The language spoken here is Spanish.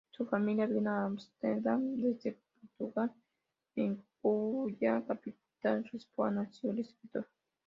Su familia vino a Ámsterdam desde Portugal, en cuya capital Lisboa nació el escritor.